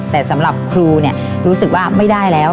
แต่สำหรับครูรู้สึกว่าไม่ได้แล้ว